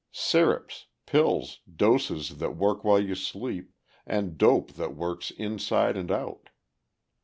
Syrups, pills, doses that work while you sleep, and dopes that work inside and out.